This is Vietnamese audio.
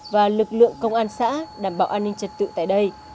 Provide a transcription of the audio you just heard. và lực lượng công an xã đảm bảo an ninh trật tự tại đây